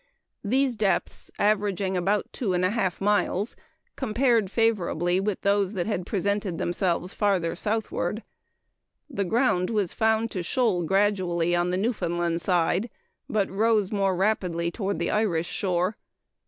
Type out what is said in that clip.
These depths (averaging about 2 1/2 miles) compared favorably with those that had presented themselves farther southward. The ground was found to shoal gradually on the Newfoundland side, but rose more rapidly toward the Irish shore.